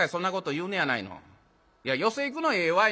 いや寄席行くのはええわいなあんた。